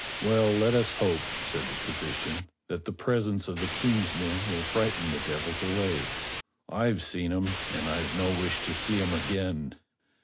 "Well, let us hope," said the physician, "that the presence of the Ejng's men will frighten the devils away. I've seen 'em, and I've no wish to see 'em again."